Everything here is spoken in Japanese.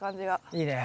いいね。